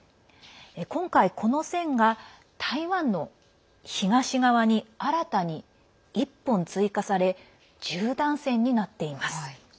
今回、この線が台湾の東側に新たに１本追加され十段線になっています。